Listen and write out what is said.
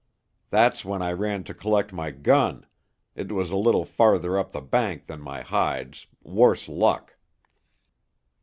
That's when I ran to collect my gun it was a little farther up the bank than my hides, worse luck!"